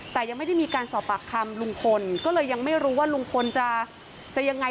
แต่ยังไม่ได้มีการสอบปากคำลุงพลก็เลยยังไม่รู้ว่าลุงพลจะยังไง